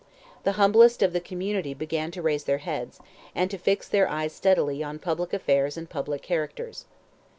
The humblest of the community began to raise their heads, and to fix their eyes steadily on public affairs and public characters.